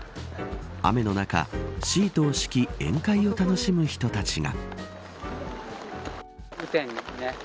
雨の中シートを敷き宴会を楽しむ人たちが。